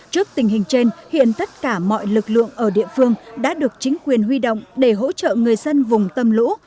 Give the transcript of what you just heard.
trước tình hình trên hiện tất cả mọi lực lượng ở địa phương đã được chính quyền huy động để hỗ trợ người dân vùng tâm lũ